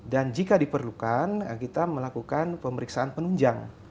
dan jika diperlukan kita melakukan pemeriksaan penunjang